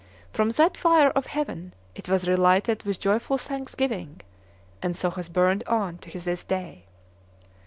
From that fire of heaven it was relighted with joyful thanksgiving, and so has burned on to this day.